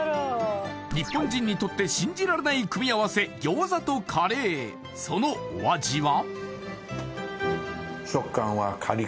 日本人にとって信じられない組み合わせ餃子とカレーそのお味は？